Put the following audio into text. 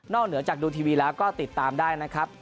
เหนือจากดูทีวีแล้วก็ติดตามได้นะครับ